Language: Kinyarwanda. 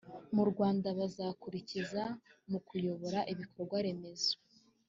mu rwanda bazakurikiza mu kuyobora ibikorwa remezo